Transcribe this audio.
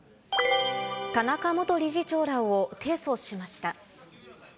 田中元理事長らを提訴しました。